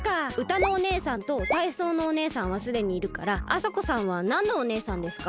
歌のお姉さんと体操のお姉さんはすでにいるからあさこさんはなんのお姉さんですか？